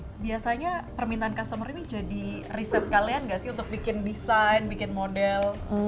tapi biasanya permintaan customer ini jadi riset kalian nggak sih untuk bikin desain bikin model